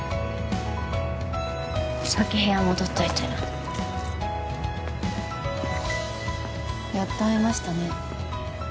先部屋戻っといてやっと会えましたね